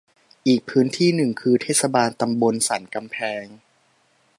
อีกพื้นที่หนึ่งคือ เทศบาลตำบลสันกำแพง